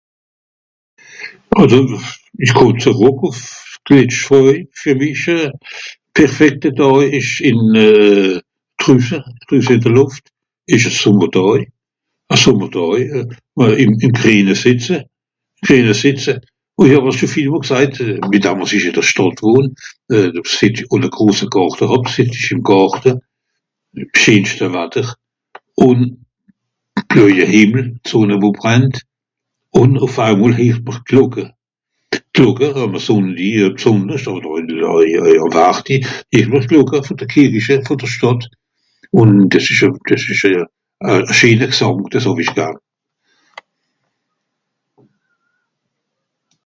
Àlso, ìch kùmm zerrùck ùff d'letscht Fröj, fer mich euh... perfekte Dàà ìsch ìn euh... drüsse, drüsse ìn de Lùft, ìsch e Sùmmerdàj, e Sùmmerdàj, ìm... ìm (...) sìtze, (...) sìtze. Ùn ìch hàb so viel mol gsajt, mìt dam àss i ìn dr Stàdt wohn, ùn e grose Gàrte hàb, sìtz ìch ìm Gàrte, scheenschte Watter, ùn blöjer Hìmmel, d'Sùnne wo brennt, ùn ùff ei Mol heert mr Glocke, d'Glocke àme Sùnndi bsùndersch odder euh... (...) ìmmer Glocke vù de Kìrriche vù de stàdt. Ùn dìs ìsch e... dìs ìsch e... e scheener Gsàng dìs hàw-ìch garn.